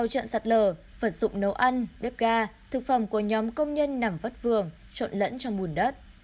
trận sạt lở vật dụng nấu ăn bếp ga thực phẩm của nhóm công nhân nằm vắt vườn trộn lẫn trong bùn đất